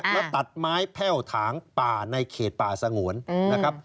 แล้วตัดไม้แพ่วถางป่าในเขตป่าสงวนนะครับ